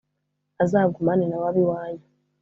azagumane nawe, abe iwanyu,